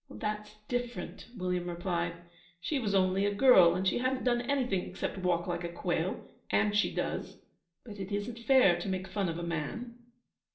That's different,' William replied. 'She was only a girl, and she hadn't done anything except walk like a quail, and she does. But it isn't fair to make fun of a man.'